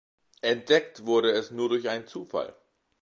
Entdeckt wurde es nur durch einen Zufall.